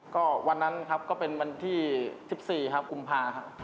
ก็วันนั้นครับก็เป็นวันที่๑๔ครับกุมภาครับ